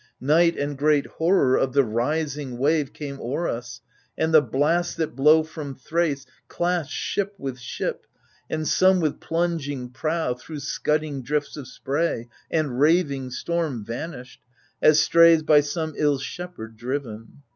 Night and great horror of the rising wave Came o'er us, and the blasts that blow from Thrace Clashed ship with ship, and some with plunging prow Thro' scudding drifts of spray and raving storm Vanished, as strays by some ill shepherd driven.